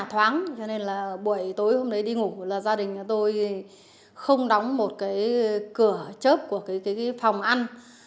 thoáng cho nên là buổi tối hôm đấy đi ngủ là gia đình nhà tôi không đóng một cái cửa chớp của cái phòng ăn